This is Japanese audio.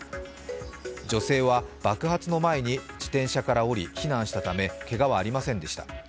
女性は爆発の前に自転車から降り、避難したためけがはありませんでした。